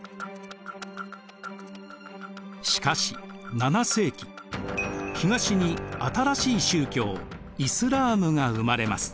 しかし７世紀東に新しい宗教イスラームが生まれます。